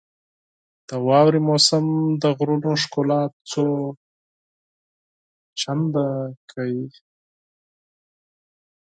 • د واورې موسم د غرونو ښکلا څو چنده کوي.